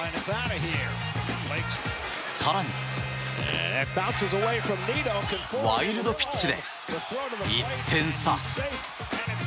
更に、ワイルドピッチで１点差。